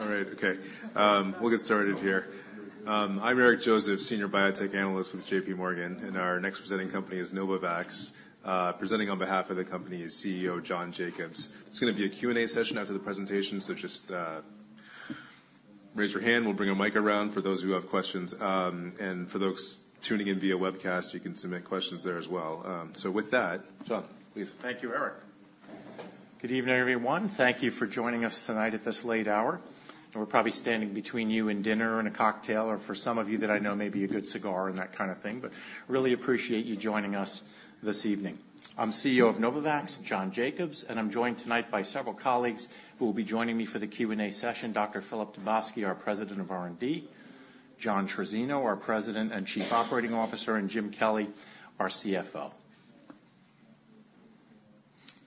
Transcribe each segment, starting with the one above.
All right. Okay, we'll get started here. I'm Eric Joseph, Senior Biotech Analyst with JPMorgan, and our next presenting company is Novavax. Presenting on behalf of the company is CEO, John Jacobs. There's gonna be a Q&A session after the presentation, so just raise your hand. We'll bring a mic around for those who have questions. And for those tuning in via webcast, you can submit questions there as well. So with that, John, please. Thank you, Eric. Good evening, everyone. Thank you for joining us tonight at this late hour, and we're probably standing between you and dinner and a cocktail, or for some of you that I know, maybe a good cigar and that kind of thing, but really appreciate you joining us this evening. I'm CEO of Novavax, John Jacobs, and I'm joined tonight by several colleagues who will be joining me for the Q&A session: Dr. Filip Dubovsky, our President of R&D; John Trizzino, our President and Chief Operating Officer; and Jim Kelly, our CFO.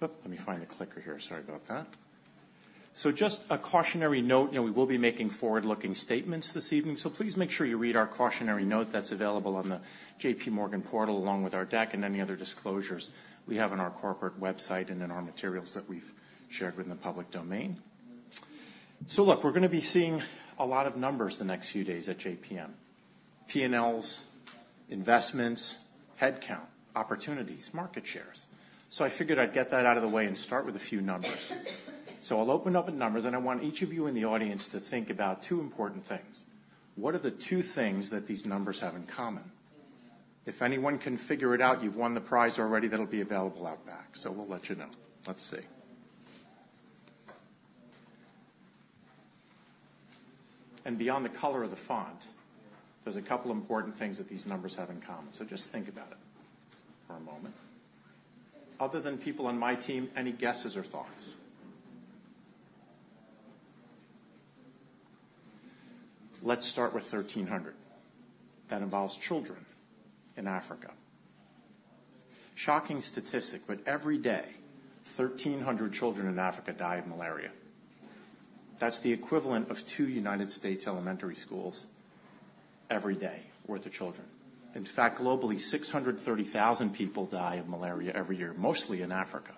Oop, let me find the clicker here. Sorry about that. So just a cautionary note, you know, we will be making forward-looking statements this evening, so please make sure you read our cautionary note that's available on the J.P. Morgan portal, along with our deck and any other disclosures we have on our corporate website and in our materials that we've shared with the public domain. So look, we're gonna be seeing a lot of numbers the next few days at JPM: P&Ls, investments, headcount, opportunities, market shares. So I figured I'd get that out of the way and start with a few numbers. So I'll open up with numbers, and I want each of you in the audience to think about two important things. What are the two things that these numbers have in common? If anyone can figure it out, you've won the prize already that'll be available out back. So we'll let you know. Let's see. And beyond the color of the font, there's a couple important things that these numbers have in common, so just think about it for a moment. Other than people on my team, any guesses or thoughts? Let's start with 1,300. That involves children in Africa. Shocking statistic, but every day, 1,300 children in Africa die of malaria. That's the equivalent of two United States elementary schools every day worth of children. In fact, globally, 630,000 people die of malaria every year, mostly in Africa.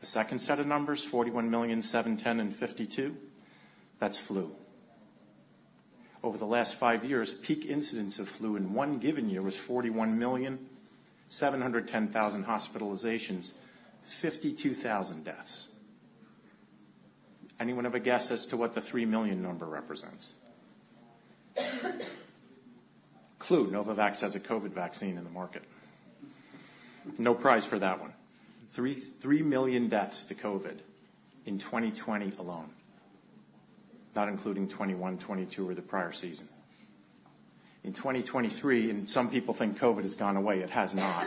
The second set of numbers, 41 million, 710, and 52, that's flu. Over the last five years, peak incidence of flu in one given year was 41,710,000 hospitalizations, 52,000 deaths. Anyone have a guess as to what the 3 million number represents? Clue: Novavax has a COVID vaccine in the market. No prize for that one. 3, 3 million deaths to COVID in 2020 alone, not including 2021, 2022, or the prior season. In 2023, and some people think COVID has gone away, it has not.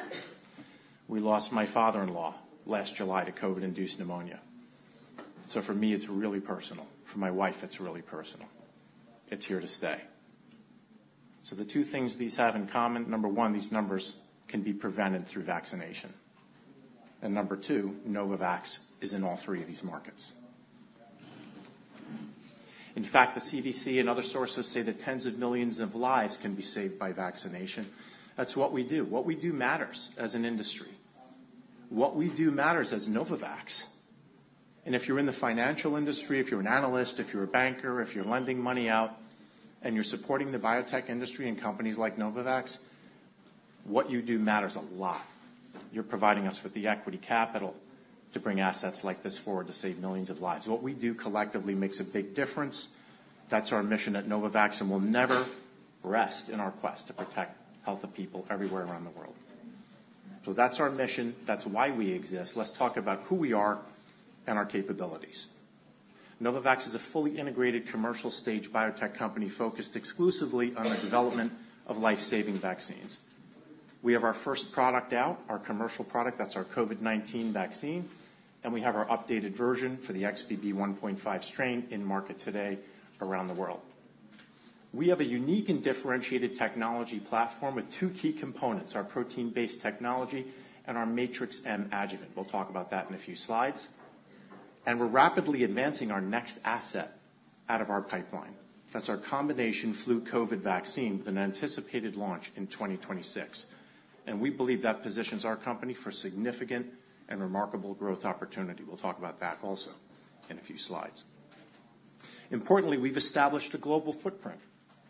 We lost my father-in-law last July to COVID-induced pneumonia. So for me, it's really personal. For my wife, it's really personal. It's here to stay. So the two things these have in common, number one, these numbers can be prevented through vaccination, and number two, Novavax is in all three of these markets. In fact, the CDC and other sources say that tens of millions of lives can be saved by vaccination. That's what we do. What we do matters as an industry. What we do matters as Novavax. And if you're in the financial industry, if you're an analyst, if you're a banker, if you're lending money out, and you're supporting the biotech industry and companies like Novavax, what you do matters a lot. You're providing us with the equity capital to bring assets like this forward to save millions of lives. What we do collectively makes a big difference. That's our mission at Novavax, and we'll never rest in our quest to protect the health of people everywhere around the world. So that's our mission. That's why we exist. Let's talk about who we are and our capabilities. Novavax is a fully integrated commercial-stage biotech company focused exclusively on the development of life-saving vaccines. We have our first product out, our commercial product, that's our COVID-19 vaccine, and we have our updated version for the XBB 1.5 strain in market today around the world. We have a unique and differentiated technology platform with two key components, our protein-based technology and our Matrix-M adjuvant. We'll talk about that in a few slides. And we're rapidly advancing our next asset out of our pipeline. That's our combination flu-COVID vaccine with an anticipated launch in 2026, and we believe that positions our company for significant and remarkable growth opportunity. We'll talk about that also in a few slides. Importantly, we've established a global footprint.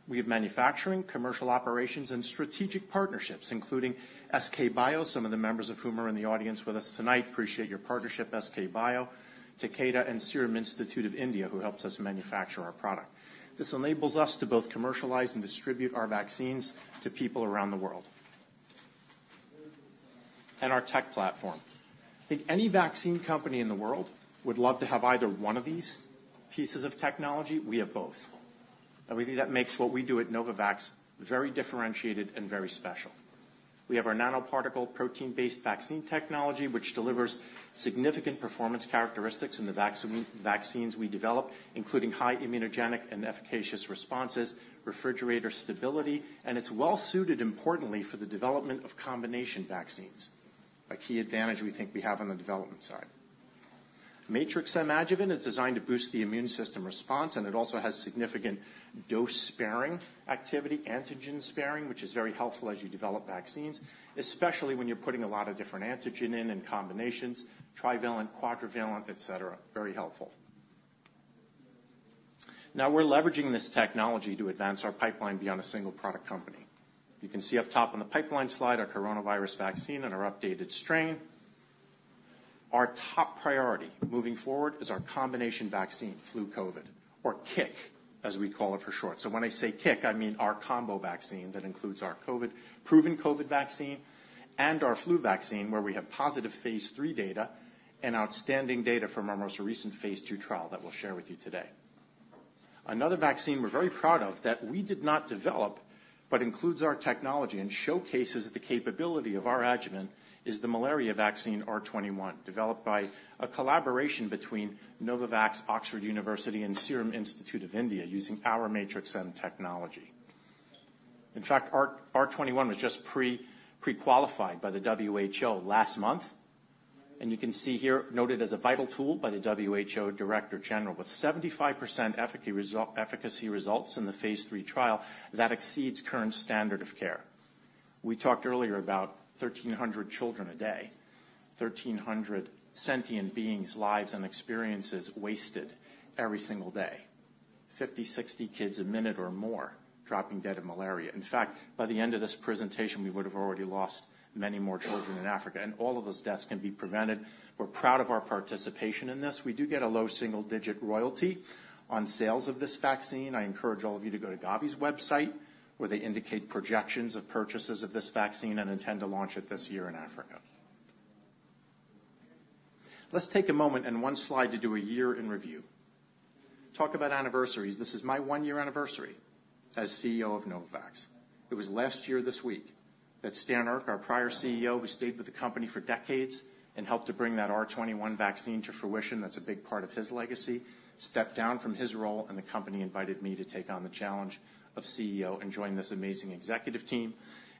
We have manufacturing, commercial operations, and strategic partnerships, including SK Bioscience, some of the members of whom are in the audience with us tonight. Appreciate your partnership, SK Bio, Takeda, and Serum Institute of India, who helps us manufacture our product. This enables us to both commercialize and distribute our vaccines to people around the world. Our tech platform. I think any vaccine company in the world would love to have either one of these pieces of technology. We have both, and we think that makes what we do at Novavax very differentiated and very special. We have our nanoparticle protein-based vaccine technology, which delivers significant performance characteristics in the vaccines we develop, including high immunogenic and efficacious responses, refrigerator stability, and it's well suited, importantly, for the development of combination vaccines, a key advantage we think we have on the development side. Matrix-M adjuvant is designed to boost the immune system response, and it also has significant dose-sparing activity, antigen-sparing, which is very helpful as you develop vaccines, especially when you're putting a lot of different antigen in and combinations, trivalent, quadrivalent, et cetera. Very helpful. Now we're leveraging this technology to advance our pipeline beyond a single product company. You can see up top on the pipeline slide, our coronavirus vaccine and our updated strain. Our top priority moving forward is our combination vaccine, flu, COVID, or CIC, as we call it, for short. So when I say CIC, I mean our combo vaccine. That includes our COVID-proven COVID vaccine and our flu vaccine, where we have positive phase 3 data and outstanding data from our most recent phase 2 trial that we'll share with you today. Another vaccine we're very proud of, that we did not develop but includes our technology and showcases the capability of our adjuvant, is the malaria vaccine R21, developed by a collaboration between Novavax, Oxford University, and Serum Institute of India, using our Matrix-M technology. In fact, R21 was just pre-qualified by the WHO last month, and you can see here noted as a vital tool by the WHO Director General, with 75% efficacy results in the phase 3 trial that exceeds current standard of care. We talked earlier about 1,300 children a day, 1,300 sentient beings, lives and experiences wasted every single day. 50, 60 kids a minute or more dropping dead of malaria. In fact, by the end of this presentation, we would have already lost many more children in Africa, and all of those deaths can be prevented. We're proud of our participation in this. We do get a low single-digit royalty on sales of this vaccine. I encourage all of you to go to Gavi's website, where they indicate projections of purchases of this vaccine and intend to launch it this year in Africa. Let's take a moment and 1 slide to do a year in review. Talk about anniversaries. This is my 1-year anniversary as CEO of Novavax. It was last year, this week, that Stan Erck, our prior CEO, who stayed with the company for decades and helped to bring that R21 vaccine to fruition, that's a big part of his legacy, stepped down from his role, and the company invited me to take on the challenge of CEO and join this amazing executive team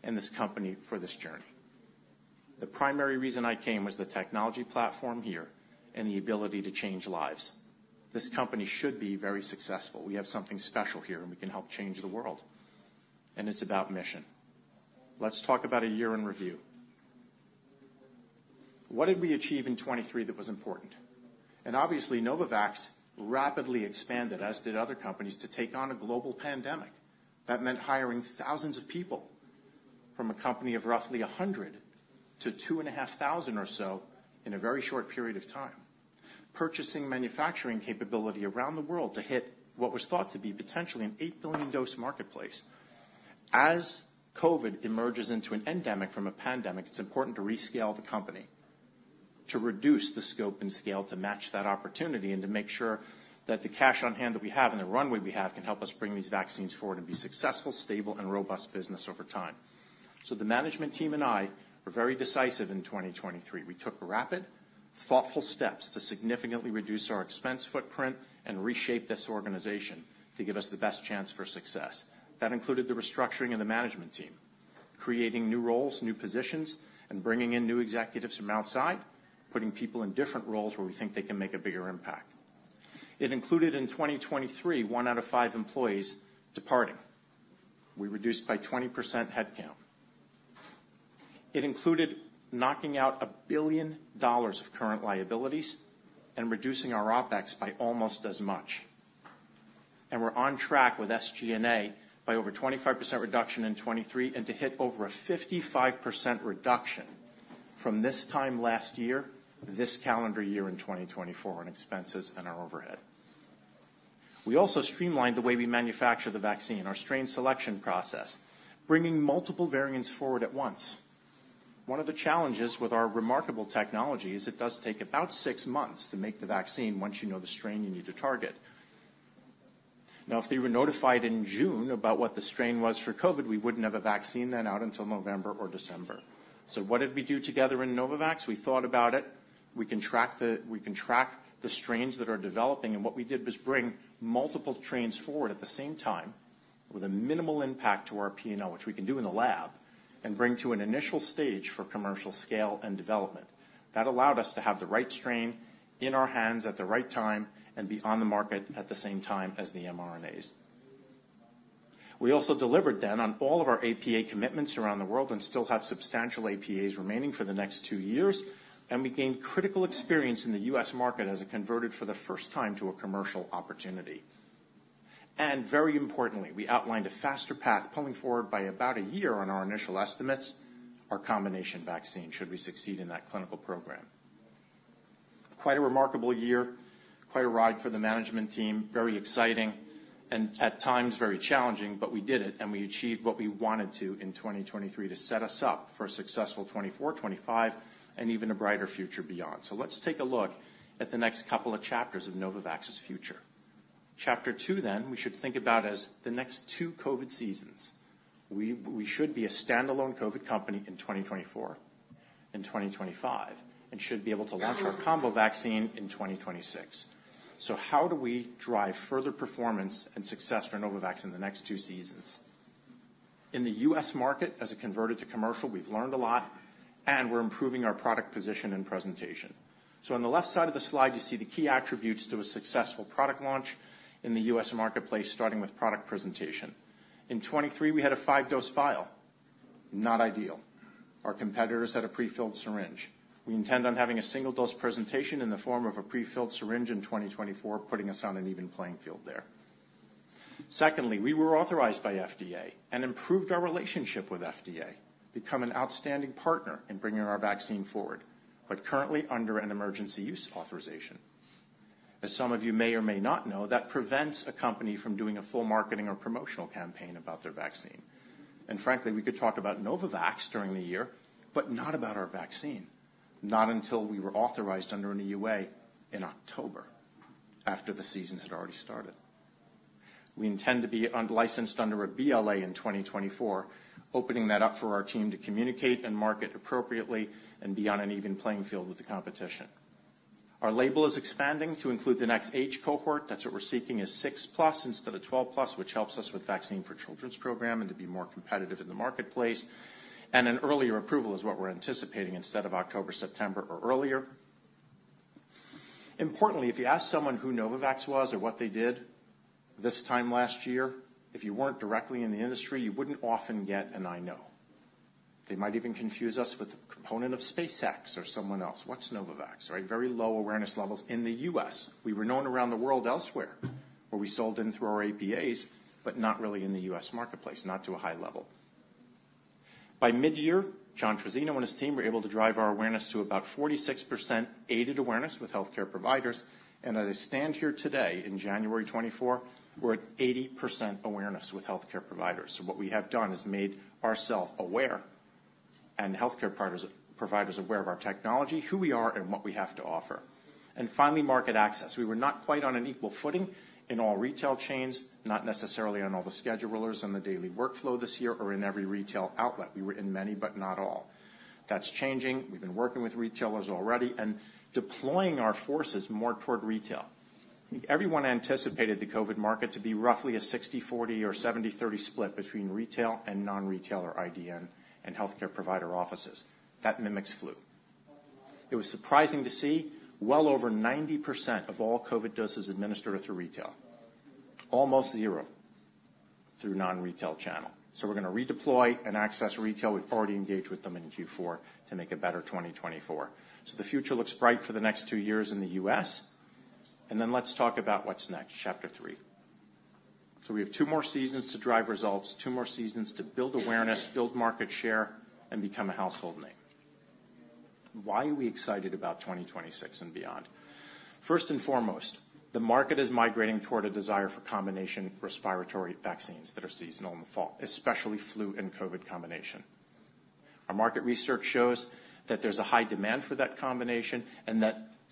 and this company for this journey. The primary reason I came was the technology platform here and the ability to change lives. This company should be very successful. We have something special here, and we can help change the world, and it's about mission. Let's talk about a year in review. What did we achieve in 2023 that was important? Obviously, Novavax rapidly expanded, as did other companies, to take on a global pandemic. That meant hiring thousands of people from a company of roughly 100 to 2,500 or so in a very short period of time. Purchasing manufacturing capability around the world to hit what was thought to be potentially an 8 billion dose marketplace. As COVID emerges into an endemic from a pandemic, it's important to rescale the company, to reduce the scope and scale, to match that opportunity and to make sure that the cash on hand that we have and the runway we have can help us bring these vaccines forward and be successful, stable, and robust business over time. So the management team and I were very decisive in 2023. We took rapid, thoughtful steps to significantly reduce our expense footprint and reshape this organization to give us the best chance for success. That included the restructuring of the management team, creating new roles, new positions, and bringing in new executives from outside, putting people in different roles where we think they can make a bigger impact. It included, in 2023, one out of five employees departing. We reduced by 20% headcount. It included knocking out $1 billion of current liabilities and reducing our OpEx by almost as much. And we're on track with SG&A by over 25% reduction in 2023 and to hit over a 55% reduction from this time last year, this calendar year in 2024, in expenses and our overhead. We also streamlined the way we manufacture the vaccine, our strain selection process, bringing multiple variants forward at once. One of the challenges with our remarkable technology is it does take about six months to make the vaccine, once you know the strain you need to target. Now, if they were notified in June about what the strain was for COVID, we wouldn't have a vaccine then out until November or December. So what did we do together in Novavax? We thought about it. We can track the strains that are developing, and what we did was bring multiple strains forward at the same time with a minimal impact to our P&L, which we can do in the lab, and bring to an initial stage for commercial scale and development. That allowed us to have the right strain in our hands at the right time and be on the market at the same time as the mRNAs. We also delivered then on all of our APA commitments around the world and still have substantial APAs remaining for the next two years. We gained critical experience in the U.S. market as it converted for the first time to a commercial opportunity. Very importantly, we outlined a faster path, pulling forward by about a year on our initial estimates, our combination vaccine, should we succeed in that clinical program. Quite a remarkable year, quite a ride for the management team. Very exciting and at times very challenging. But we did it, and we achieved what we wanted to in 2023 to set us up for a successful 2024, 2025 and even a brighter future beyond. So let's take a look at the next couple of chapters of Novavax's future. Chapter two then, we should think about as the next two COVID seasons. We should be a standalone COVID company in 2024 and 2025, and should be able to launch our combo vaccine in 2026. So how do we drive further performance and success for Novavax in the next 2 seasons? In the U.S. market, as it converted to commercial, we've learned a lot, and we're improving our product position and presentation. So on the left side of the slide, you see the key attributes to a successful product launch in the U.S. marketplace, starting with product presentation. In 2023, we had a 5-dose vial. Not ideal. Our competitors had a prefilled syringe. We intend on having a single-dose presentation in the form of a prefilled syringe in 2024, putting us on an even playing field there. Secondly, we were authorized by FDA and improved our relationship with FDA, become an outstanding partner in bringing our vaccine forward, but currently under an emergency use authorization. As some of you may or may not know, that prevents a company from doing a full marketing or promotional campaign about their vaccine. And frankly, we could talk about Novavax during the year, but not about our vaccine, not until we were authorized under an EUA in October, after the season had already started. We intend to be unlicensed under a BLA in 2024, opening that up for our team to communicate and market appropriately and be on an even playing field with the competition. Our label is expanding to include the next age cohort. That's what we're seeking, is 6+ instead of 12+, which helps us with Vaccines for Children Program and to be more competitive in the marketplace. An earlier approval is what we're anticipating instead of October, September or earlier. Importantly, if you ask someone who Novavax was or what they did this time last year, if you weren't directly in the industry, you wouldn't often get an, "I know." They might even confuse us with a component of SpaceX or someone else. What's Novavax, right? Very low awareness levels in the U.S. We were known around the world elsewhere, where we sold in through our APAs, but not really in the U.S. marketplace, not to a high level. By midyear, John Trizzino and his team were able to drive our awareness to about 46% aided awareness with healthcare providers. As I stand here today, in January 2024, we're at 80% awareness with healthcare providers. So what we have done is made ourselves aware and healthcare providers aware of our technology, who we are, and what we have to offer. Finally, market access. We were not quite on an equal footing in all retail chains, not necessarily on all the schedulers, on the daily workflow this year, or in every retail outlet. We were in many, but not all. That's changing. We've been working with retailers already and deploying our forces more toward retail. Everyone anticipated the COVID market to be roughly a 60/40 or 70/30 split between retail and non-retail, or IDN and healthcare provider offices. That mimics flu. It was surprising to see well over 90% of all COVID doses administered through retail, almost zero through non-retail channel. So we're gonna redeploy and access retail. We've already engaged with them in Q4 to make a better 2024. So the future looks bright for the next two years in the U.S. And then let's talk about what's next, chapter three. So we have two more seasons to drive results, two more seasons to build awareness, build market share, and become a household name. Why are we excited about 2026 and beyond? First and foremost, the market is migrating toward a desire for combination respiratory vaccines that are seasonal in the fall, especially flu and COVID combination. Our market research shows that there's a high demand for that combination, and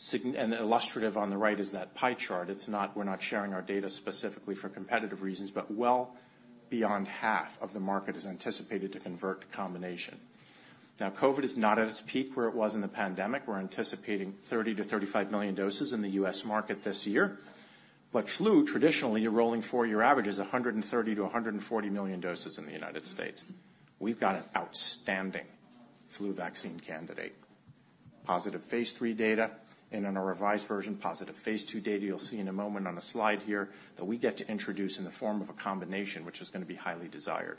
the illustrative on the right is that pie chart. We're not sharing our data specifically for competitive reasons, but well beyond half of the market is anticipated to convert to combination. Now, COVID is not at its peak where it was in the pandemic. We're anticipating 30-35 million doses in the U.S. market this year. But flu, traditionally, your rolling four-year average is 130-140 million doses in the United States. We've got an outstanding flu vaccine candidate. Positive phase III data and in a revised version, positive phase II data. You'll see in a moment on a slide here, that we get to introduce in the form of a combination, which is gonna be highly desired.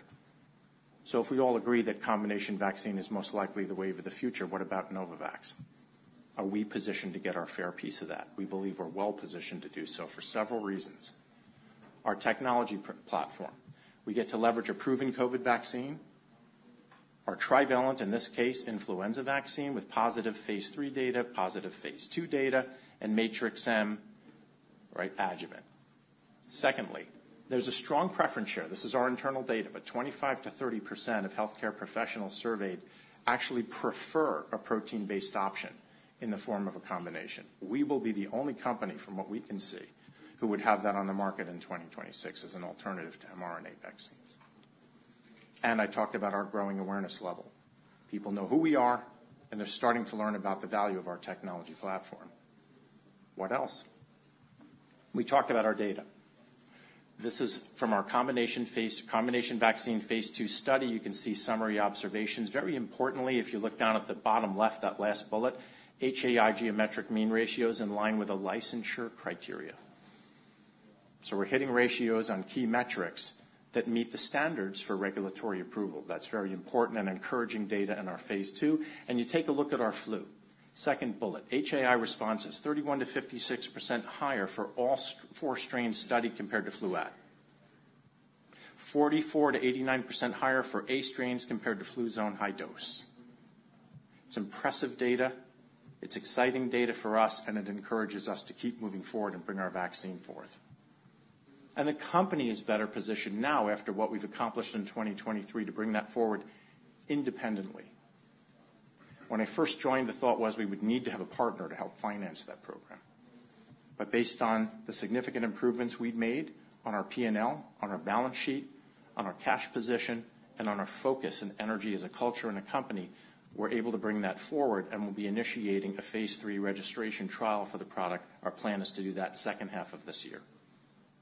So if we all agree that combination vaccine is most likely the wave of the future, what about Novavax? Are we positioned to get our fair piece of that? We believe we're well positioned to do so for several reasons. Our technology platform, we get to leverage a proven COVID vaccine. Our trivalent, in this case, influenza vaccine, with positive Phase III data, positive Phase II data, and Matrix-M, right, adjuvant. Secondly, there's a strong preference share. This is our internal data, but 25%-30% of healthcare professionals surveyed actually prefer a protein-based option in the form of a combination. We will be the only company, from what we can see, who would have that on the market in 2026 as an alternative to mRNA vaccines. And I talked about our growing awareness level. People know who we are, and they're starting to learn about the value of our technology platform. What else? We talked about our data. This is from our combination vaccine Phase II study. You can see summary observations. Very importantly, if you look down at the bottom left, that last bullet, HAI geometric mean ratios in line with the licensure criteria. So we're hitting ratios on key metrics that meet the standards for regulatory approval. That's very important and encouraging data in our phase II. You take a look at our flu. Second bullet, HAI response is 31%-56% higher for all four strains studied compared to FLUAD. 44%-89% higher for A strains compared to Fluzone High-Dose. It's impressive data, it's exciting data for us, and it encourages us to keep moving forward and bring our vaccine forth. The company is better positioned now after what we've accomplished in 2023 to bring that forward independently. When I first joined, the thought was we would need to have a partner to help finance that program. But based on the significant improvements we've made on our P&L, on our balance sheet, on our cash position, and on our focus and energy as a culture and a company, we're able to bring that forward, and we'll be initiating a phase III registration trial for the product. Our plan is to do that second half of this year,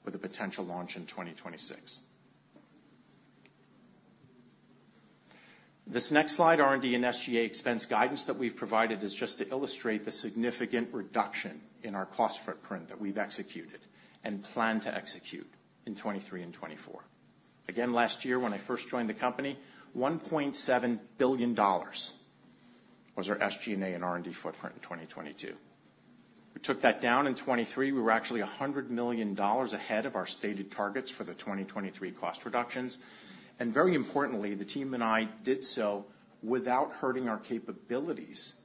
with a potential launch in 2026. This next slide, R&D and SG&A expense guidance that we've provided, is just to illustrate the significant reduction in our cost footprint that we've executed and plan to execute in 2023 and 2024. Again, last year, when I first joined the company, $1.7 billion was our SG&A and R&D footprint in 2022. We took that down in 2023. We were actually $100 million ahead of our stated targets for the 2023 cost reductions. Very importantly, the team and I did so without hurting our capabilities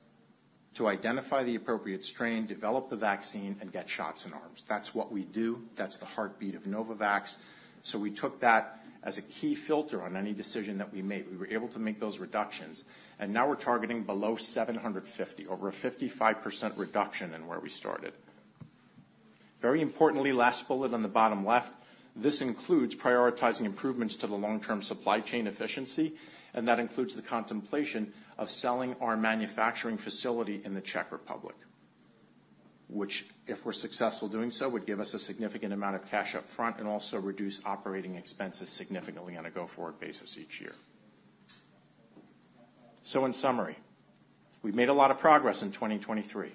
to identify the appropriate strain, develop the vaccine, and get shots in arms. That's what we do. That's the heartbeat of Novavax. So we took that as a key filter on any decision that we made. We were able to make those reductions, and now we're targeting below 750, over a 55% reduction in where we started. Very importantly, last bullet on the bottom left, this includes prioritizing improvements to the long-term supply chain efficiency, and that includes the contemplation of selling our manufacturing facility in the Czech Republic, which, if we're successful doing so, would give us a significant amount of cash up front and also reduce operating expenses significantly on a go-forward basis each year. So in summary, we've made a lot of progress in 2023.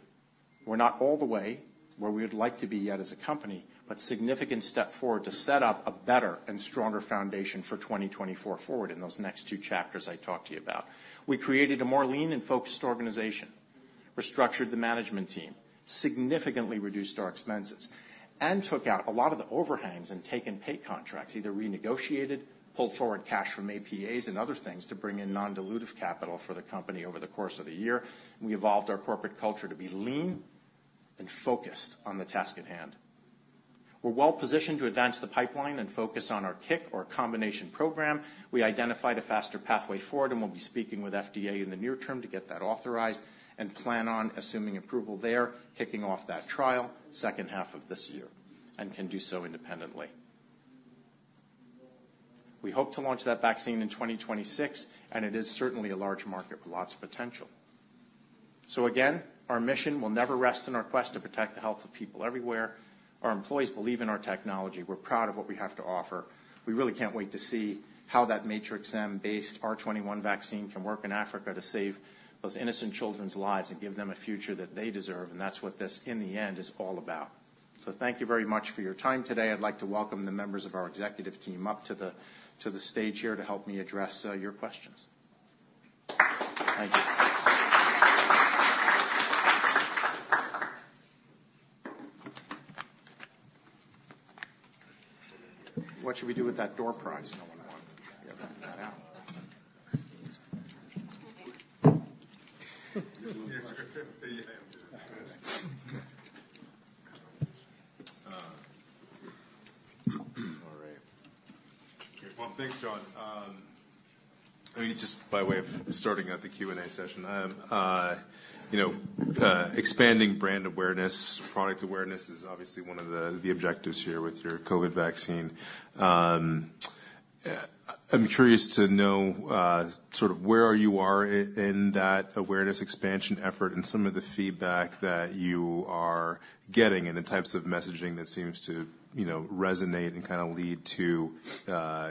We're not all the way where we would like to be yet as a company, but significant step forward to set up a better and stronger foundation for 2024 forward in those next two chapters I talked to you about. We created a more lean and focused organization, restructured the management team, significantly reduced our expenses, and took out a lot of the overhangs and take and pay contracts, either renegotiated, pulled forward cash from APAs and other things to bring in non-dilutive capital for the company over the course of the year. We evolved our corporate culture to be lean and focused on the task at hand. We're well-positioned to advance the pipeline and focus on our CIC or combination program. We identified a faster pathway forward, and we'll be speaking with FDA in the near term to get that authorized and plan on assuming approval there, kicking off that trial second half of this year, and can do so independently. We hope to launch that vaccine in 2026, and it is certainly a large market with lots of potential. So again, our mission will never rest in our quest to protect the health of people everywhere. Our employees believe in our technology. We're proud of what we have to offer. We really can't wait to see how that Matrix-M based R21 vaccine can work in Africa to save those innocent children's lives and give them a future that they deserve, and that's what this, in the end, is all about. So thank you very much for your time today. I'd like to welcome the members of our executive team up to the stage here to help me address your questions. Thank you. What should we do with that door prize? I want to get that out. All right. Well, thanks, John. I mean, just by way of starting out the Q&A session, you know, expanding brand awareness, product awareness is obviously one of the objectives here with your COVID vaccine. I'm curious to know, sort of where you are in that awareness expansion effort and some of the feedback that you are getting and the types of messaging that seems to, you know, resonate and kinda lead to,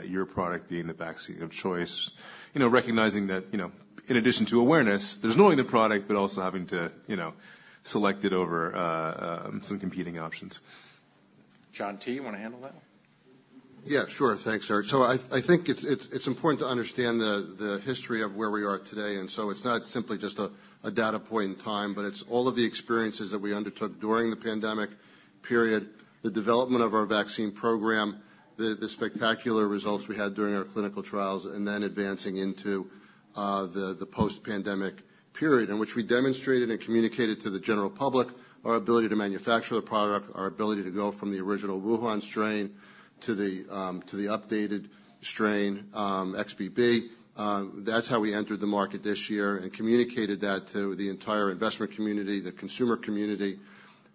your product being the vaccine of choice. You know, recognizing that, you know, in addition to awareness, there's knowing the product, but also having to, you know, select it over, some competing options. John T., you want to handle that? Yeah, sure. Thanks, Eric. So I think it's important to understand the history of where we are today, and so it's not simply just a data point in time, but it's all of the experiences that we undertook during the pandemic period, the development of our vaccine program, the spectacular results we had during our clinical trials, and then advancing into the post-pandemic period, in which we demonstrated and communicated to the general public our ability to manufacture the product, our ability to go from the original Wuhan strain to the updated strain, XBB. That's how we entered the market this year and communicated that to the entire investment community, the consumer community,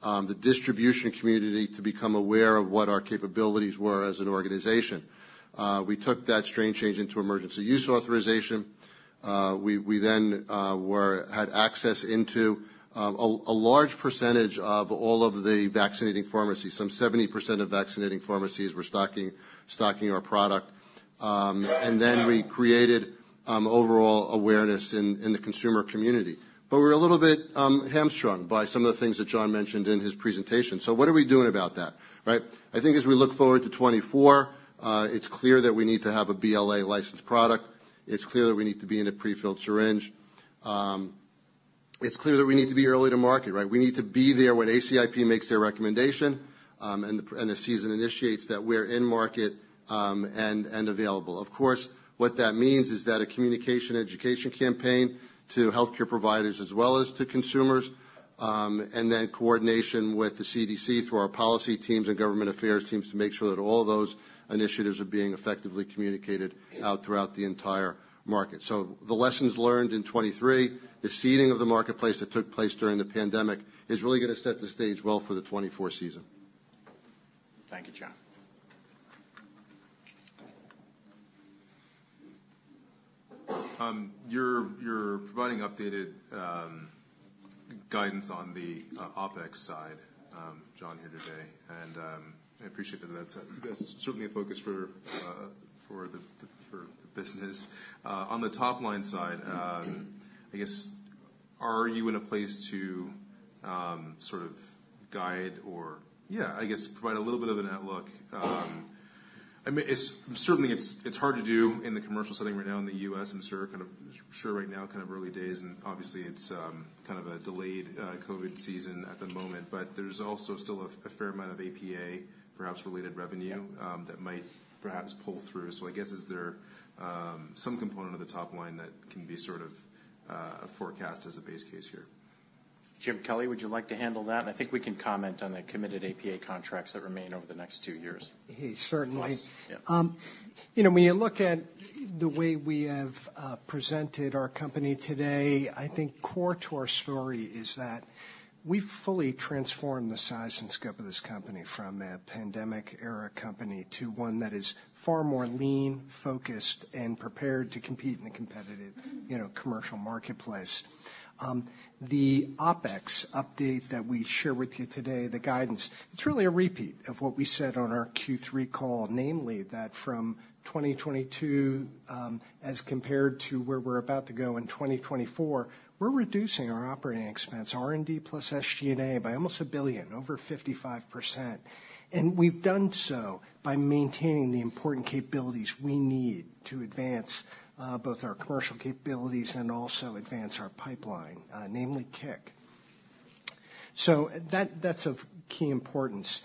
the distribution community, to become aware of what our capabilities were as an organization. We took that strain change into emergency use authorization. We then had access into a large percentage of all of the vaccinating pharmacies. Some 70% of vaccinating pharmacies were stocking our product. And then we created overall awareness in the consumer community. But we're a little bit hamstrung by some of the things that John mentioned in his presentation. So what are we doing about that, right? I think as we look forward to 2024, it's clear that we need to have a BLA-licensed product. It's clear that we need to be in a prefilled syringe. It's clear that we need to be early to market, right? We need to be there when ACIP makes their recommendation, and the season initiates, that we're in market, and available. Of course, what that means is that a communication education campaign to healthcare providers as well as to consumers, and then coordination with the CDC through our policy teams and government affairs teams to make sure that all those initiatives are being effectively communicated out throughout the entire market. So the lessons learned in 2023, the seeding of the marketplace that took place during the pandemic, is really going to set the stage well for the 2024 season. Thank you, John. You're providing updated guidance on the OpEx side, John, here today, and I appreciate that that's certainly a focus for the business. On the top-line side, I guess, are you in a place to sort of guide or, yeah, I guess provide a little bit of an outlook? I mean, it's certainly it's hard to do in the commercial setting right now in the U.S., and sort of kind of sure right now kind of early days, and obviously it's kind of a delayed COVID season at the moment. But there's also still a fair amount of APA perhaps related revenue that might perhaps pull through. So I guess is there some component of the top line that can be sort of forecast as a base case here? Jim Kelly, would you like to handle that? I think we can comment on the committed APA contracts that remain over the next two years. Hey, certainly. Yeah. You know, when you look at the way we have presented our company today, I think core to our story is that we've fully transformed the size and scope of this company from a pandemic-era company to one that is far more lean, focused, and prepared to compete in the competitive, you know, commercial marketplace. The OpEx update that we share with you today, the guidance, it's really a repeat of what we said on our Q3 call, namely, that from 2022, as compared to where we're about to go in 2024, we're reducing our operating expense, R&D plus SG&A, by almost $1 billion, over 55%. And we've done so by maintaining the important capabilities we need to advance both our commercial capabilities and also advance our pipeline, namely, CIC. So that, that's of key importance.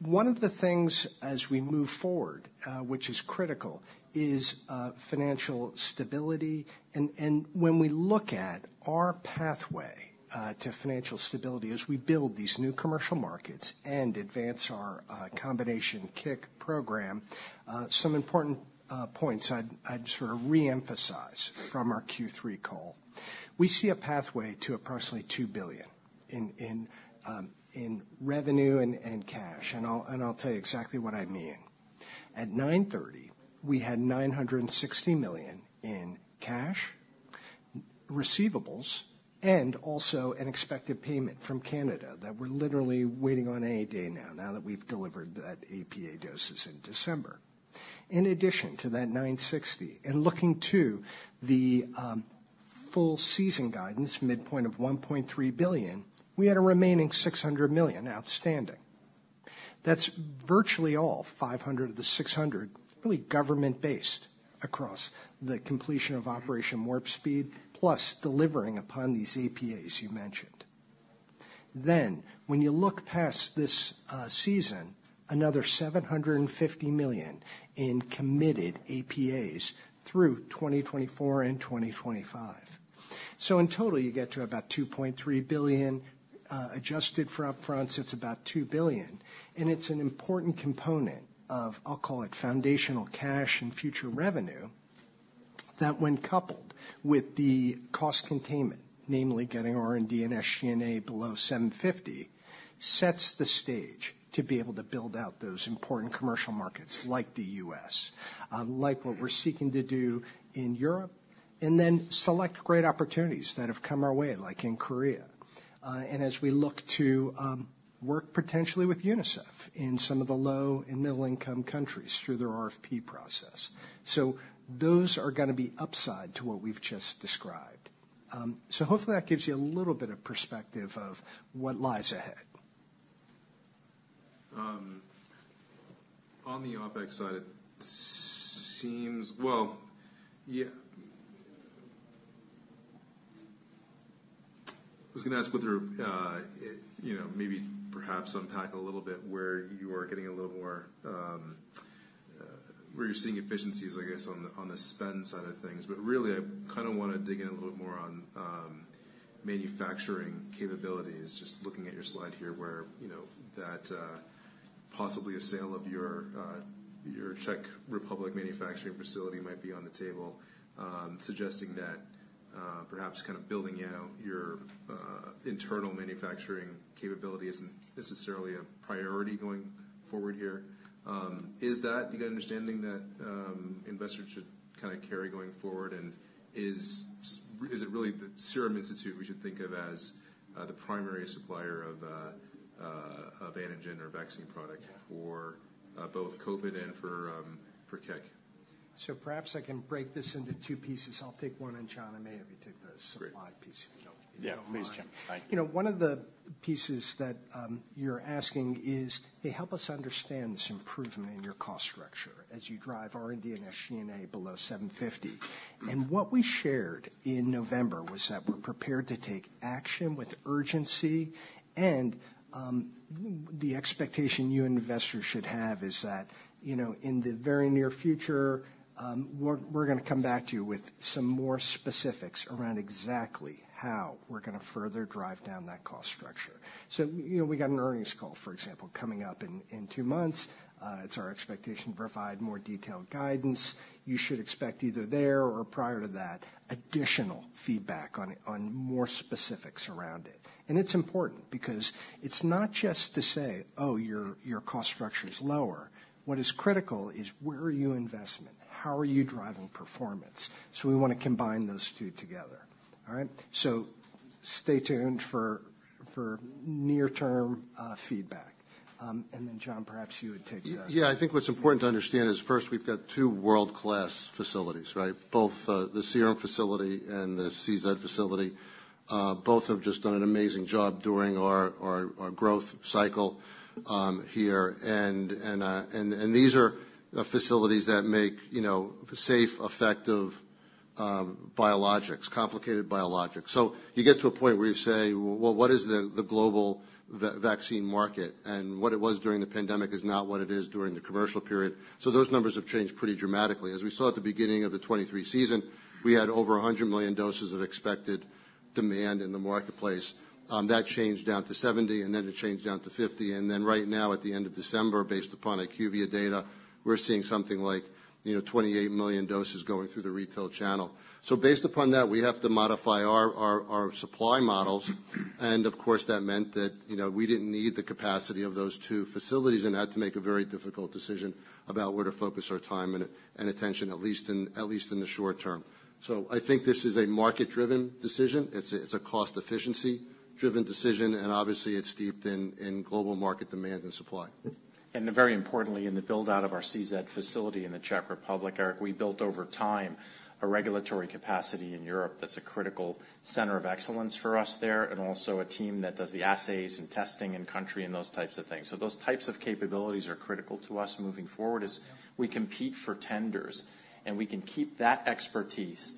One of the things as we move forward, which is critical, is financial stability. And when we look at our pathway to financial stability as we build these new commercial markets and advance our combination CIC program, some important points I'd sort of reemphasize from our Q3 call. We see a pathway to approximately $2 billion in revenue and cash, and I'll tell you exactly what I mean. At 9:30, we had $960 million in cash, receivables, and also an expected payment from Canada that we're literally waiting on any day now, now that we've delivered that APA doses in December. In addition to that $960 million, and looking to the full season guidance, midpoint of $1.3 billion, we had a remaining $600 million outstanding. That's virtually all, 500 of the 600, really government-based across the completion of Operation Warp Speed, plus delivering upon these APAs you mentioned. Then, when you look past this season, another $750 million in committed APAs through 2024 and 2025. So in total, you get to about $2.3 billion, adjusted for upfronts, it's about $2 billion. And it's an important component of, I'll call it, foundational cash and future revenue, that when coupled with the cost containment, namely getting R&D and SG&A below $750 million, sets the stage to be able to build out those important commercial markets like the U.S. Like what we're seeking to do in Europe, and then select great opportunities that have come our way, like in Korea. As we look to work potentially with UNICEF in some of the low and middle-income countries through their RFP process. Those are gonna be upside to what we've just described. Hopefully that gives you a little bit of perspective of what lies ahead. On the OpEx side, it seems. Well, yeah. I was gonna ask whether, you know, maybe, perhaps unpack a little bit where you are getting a little more, where you're seeing efficiencies, I guess, on the, on the spend side of things. But really, I kind of want to dig in a little bit more on, manufacturing capabilities. Just looking at your slide here, where, you know, that, possibly a sale of your, your Czech Republic manufacturing facility might be on the table. Suggesting that, perhaps kind of building out your, internal manufacturing capability isn't necessarily a priority going forward here. Is that the understanding that, investors should kind of carry going forward? Is it really the Serum Institute we should think of as the primary supplier of antigen or vaccine product for both COVID and for CIC? Perhaps I can break this into two pieces. I'll take one, and John, I may have you take the supply piece- Great. If you don't mind. Yeah. Please, Jim. Thank you. You know, one of the pieces that you're asking is, "Hey, help us understand this improvement in your cost structure as you drive R&D and SG&A below $750." And what we shared in November was that we're prepared to take action with urgency, and the expectation you investors should have is that, you know, in the very near future, we're gonna come back to you with some more specifics around exactly how we're gonna further drive down that cost structure. So, you know, we got an earnings call, for example, coming up in two months. It's our expectation to provide more detailed guidance. You should expect either there or prior to that, additional feedback on more specifics around it. And it's important because it's not just to say: Oh, your cost structure is lower. What is critical is, where are you investing? How are you driving performance? So we want to combine those two together. All right? So stay tuned for near-term feedback. And then, John, perhaps you would take that. Yeah, I think what's important to understand is, first, we've got two world-class facilities, right? Both, the Serum facility and the CZ facility, both have just done an amazing job during our growth cycle here. And these are facilities that make, you know, safe, effective biologics, complicated biologics. So you get to a point where you say: Well, what is the global vaccine market? And what it was during the pandemic is not what it is during the commercial period. So those numbers have changed pretty dramatically. As we saw at the beginning of the 2023 season, we had over 100 million doses of expected demand in the marketplace. That changed down to 70, and then it changed down to 50, and then right now, at the end of December, based upon IQVIA data, we're seeing something like, you know, 28 million doses going through the retail channel. So based upon that, we have to modify our supply models. And of course, that meant that, you know, we didn't need the capacity of those two facilities and had to make a very difficult decision about where to focus our time and attention, at least in the short term. So I think this is a market-driven decision. It's a cost efficiency-driven decision, and obviously, it's steeped in global market demand and supply. And very importantly, in the build-out of our CZ facility in the Czech Republic, Eric, we built over time a regulatory capacity in Europe that's a critical center of excellence for us there, and also a team that does the assays and testing in country and those types of things. So those types of capabilities are critical to us moving forward, as we compete for tenders, and we can keep that expertise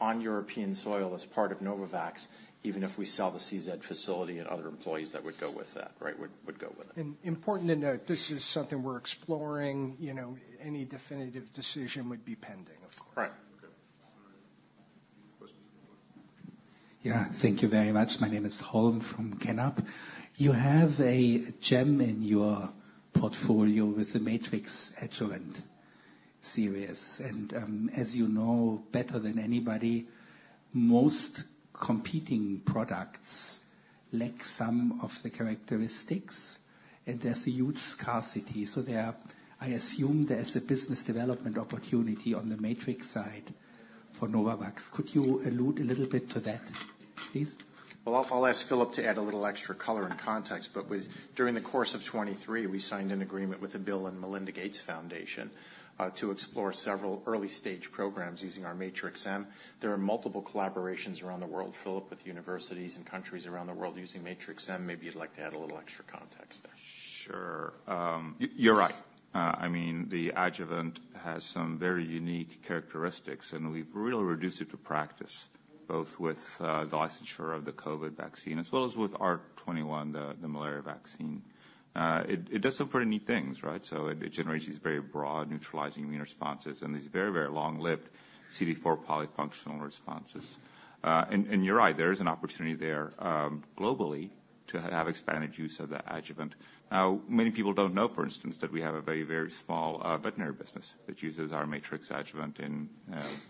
on European soil as part of Novavax, even if we sell the CZ facility and other employees that would go with that, right, would go with it. Important to note, this is something we're exploring. You know, any definitive decision would be pending, of course. Right. Okay. All right. Questions from the floor? Yeah, thank you very much. My name is Holm, from kENUP. You have a gem in your portfolio with the Matrix adjuvant series, and, as you know better than anybody, most competing products lack some of the characteristics, and there's a huge scarcity. So I assume there's a business development opportunity on the Matrix side for Novavax. Could you allude a little bit to that, please? Well, I'll ask Filip to add a little extra color and context, but during the course of 2023, we signed an agreement with the Bill and Melinda Gates Foundation to explore several early stage programs using our Matrix-M. There are multiple collaborations around the world, Filip, with universities and countries around the world using Matrix-M. Maybe you'd like to add a little extra context there. Sure. You're right. I mean, the adjuvant has some very unique characteristics, and we've really reduced it to practice, both with the licensure of the COVID vaccine, as well as with R21, the malaria vaccine. It does some pretty neat things, right? So it generates these very broad, neutralizing immune responses and these very, very long-lived CD4 polyfunctional responses. And you're right, there is an opportunity there, globally, to have expanded use of the adjuvant. Now, many people don't know, for instance, that we have a very, very small veterinary business that uses our Matrix-M adjuvant in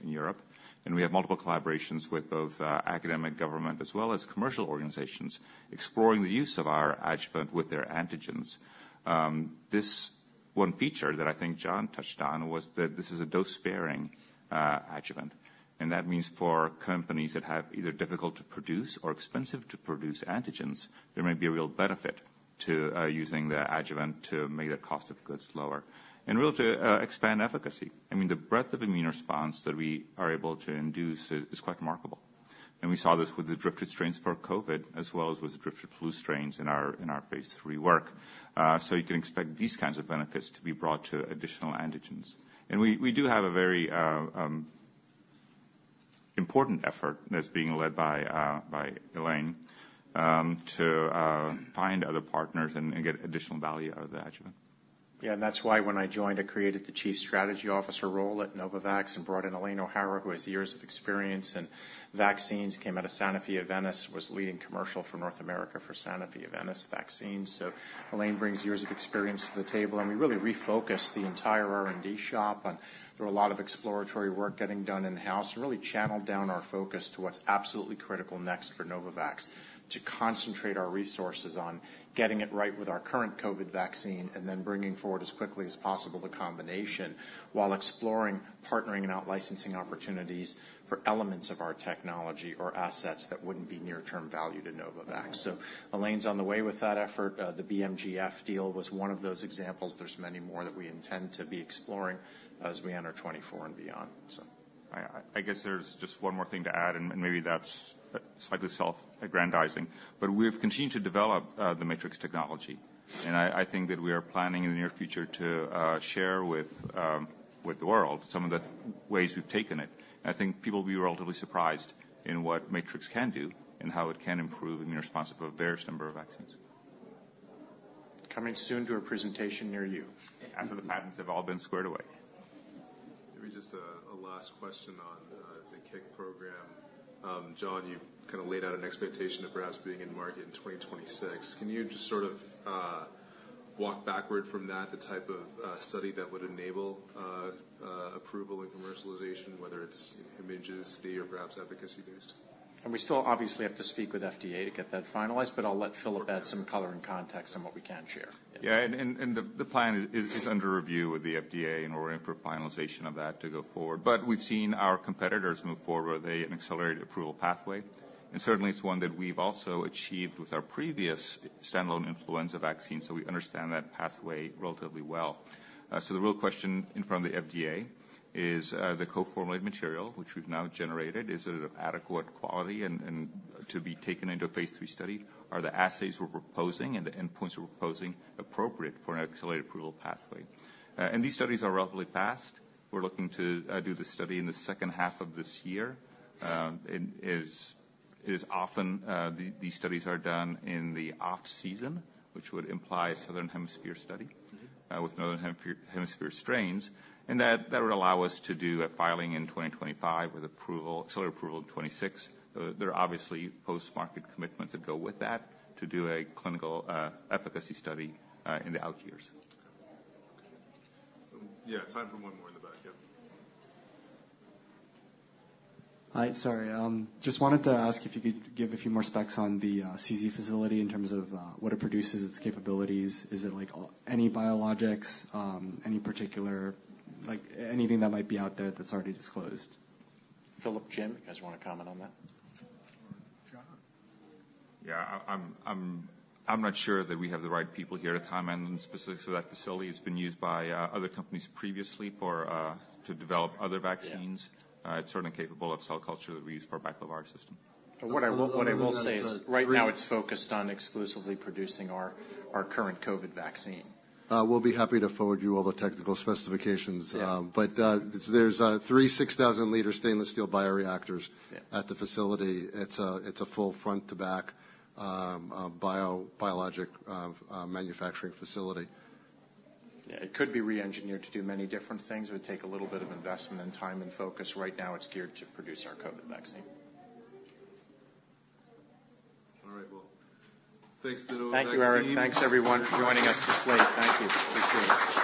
Europe. And we have multiple collaborations with both academic, government, as well as commercial organizations, exploring the use of our adjuvant with their antigens. This one feature that I think John touched on was that this is a dose-sparing adjuvant, and that means for companies that have either difficult to produce or expensive to produce antigens, there may be a real benefit to using the adjuvant to make the cost of goods lower and really to expand efficacy. I mean, the breadth of immune response that we are able to induce is quite remarkable. And we saw this with the drifted strains for COVID, as well as with the drifted flu strains in our Phase III work. So you can expect these kinds of benefits to be brought to additional antigens. And we do have a very important effort that's being led by Elaine to find other partners and get additional value out of the adjuvant. Yeah, and that's why when I joined, I created the Chief Strategy Officer role at Novavax and brought in Elaine O'Hara, who has years of experience in vaccines, came out of Sanofi-Aventis, was leading commercial for North America for Sanofi-Aventis Vaccines. So Elaine brings years of experience to the table, and we really refocused the entire R&D shop, and there were a lot of exploratory work getting done in-house, and really channeled down our focus to what's absolutely critical next for Novavax. To concentrate our resources on getting it right with our current COVID vaccine, and then bringing forward, as quickly as possible, the combination, while exploring, partnering, and out-licensing opportunities for elements of our technology or assets that wouldn't be near-term value to Novavax. So Elaine's on the way with that effort. The BMGF deal was one of those examples. There's many more that we intend to be exploring as we enter 2024 and beyond, so. I guess there's just one more thing to add, and maybe that's slightly self-aggrandizing, but we've continued to develop the Matrix technology, and I think that we are planning in the near future to share with the world some of the ways we've taken it. I think people will be relatively surprised in what Matrix can do and how it can improve immune response for a various number of vaccines. Coming soon to a presentation near you. After the patents have all been squared away. Maybe just a last question on the CIC program. John, you kind of laid out an expectation of perhaps being in market in 2026. Can you just sort of walk backward from that, the type of study that would enable approval and commercialization, whether it's immunogenicity or perhaps efficacy based? We still obviously have to speak with FDA to get that finalized, but I'll let Filip add some color and context on what we can share. Yeah, and the plan is under review with the FDA, and we're in for finalization of that to go forward. But we've seen our competitors move forward with an accelerated approval pathway, and certainly it's one that we've also achieved with our previous standalone influenza vaccine, so we understand that pathway relatively well. So the real question in front of the FDA is the co-formulated material, which we've now generated, is it of adequate quality and to be taken into a Phase III study? Are the assays we're proposing and the endpoints we're proposing appropriate for an accelerated approval pathway? And these studies are relatively fast. We're looking to do the study in the second half of this year. And as often, these studies are done in the off-season, which would imply Southern Hemisphere study- Mm-hmm. with Northern Hemisphere strains, and that, that would allow us to do a filing in 2025, with approval, for approval in 2026. There are obviously post-market commitments that go with that to do a clinical efficacy study in the out years. Yeah, time for one more in the back. Yep. Hi. Sorry, just wanted to ask if you could give a few more specs on the CZ facility in terms of what it produces, its capabilities. Is it, like, any biologics, any particular. Like, anything that might be out there that's already disclosed? Filip, Jim, you guys want to comment on that? John? Yeah, I'm not sure that we have the right people here to comment on the specifics of that facility. It's been used by other companies previously for to develop other vaccines. Yeah. It's certainly capable of cell culture that we use for our baculovirus system. What I will say is, right now, it's focused on exclusively producing our current COVID vaccine. We'll be happy to forward you all the technical specifications. Yeah. But there's three 6,000-liter stainless steel bioreactors- Yeah at the facility. It's a full front to back, biologic manufacturing facility. Yeah, it could be re-engineered to do many different things. It would take a little bit of investment and time and focus. Right now, it's geared to produce our COVID vaccine. All right, well, thanks to Novavax team. Thank you, Eric. Thanks, everyone, for joining us this late. Thank you. Appreciate it.